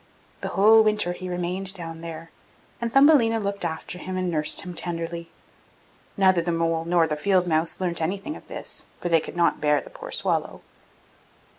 The whole winter he remained down there, and Thumbelina looked after him and nursed him tenderly. Neither the mole nor the field mouse learnt anything of this, for they could not bear the poor swallow.